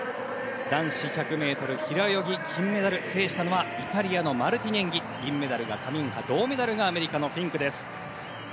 男子１００ｍ平泳ぎ金メダル制したのはイタリアのマルティネンギ銀メダルがカミンハ銅メダルがアメリカのフィンクです。